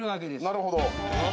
なるほど。